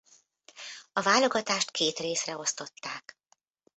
A válogatást két részre osztották.